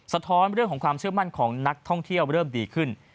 ท้อนเรื่องของความเชื่อมั่นของนักท่องเที่ยวเริ่มดีขึ้น